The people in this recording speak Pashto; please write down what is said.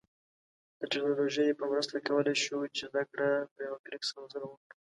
د ټیکنالوژی په مرسته کولای شو چې زده کړه په یوه کلیک سره وکړو